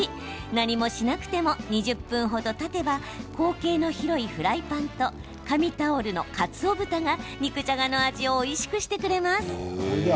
何もしなくても２０分程たてば口径の広いフライパンと紙タオルの、かつおぶたが肉じゃがの味をおいしくしてくれます。